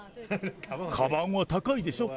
かばんは高いでしょ？